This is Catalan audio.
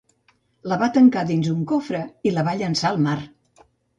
La va tancar dins d'un cofre i la va llançar al mar.